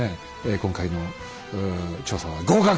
今回の調査は合格と。